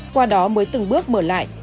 qua đó mới từng bước mở lại